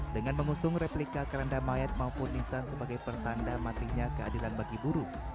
dengan mengusung replika keranda mayat maupun nisan sebagai pertanda matinya keadilan bagi buruh